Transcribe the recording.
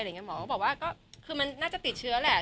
หมอก็บอกว่าก็คือมันน่าจะติดเชื้อแหละ